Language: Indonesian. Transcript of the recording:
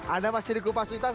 ada mas dirwono pasukan kita